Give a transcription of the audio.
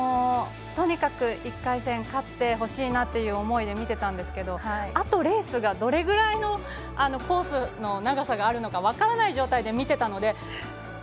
とにかく１回戦勝ってほしいなという思いで見ていたんですけどあとレースが、どれぐらいのコースの長さがあるのか分からない状態で見ていたので。